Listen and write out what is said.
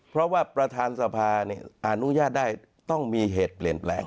เพราะว่าประธานสภาอนุญาตได้ต้องมีเหตุเปลี่ยนแปลง